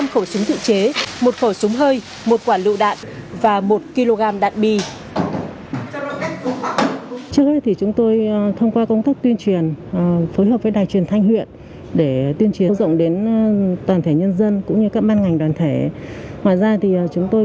năm khẩu súng tự chế một khẩu súng hơi